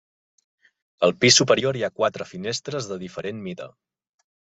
Al pis superior hi ha quatre finestres de diferent mida.